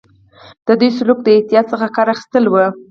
د دوی سلوک د احتیاط څخه کار اخیستل وو.